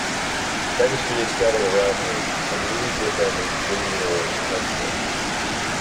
Many students gathered around him, and he lived with them in genial friendship.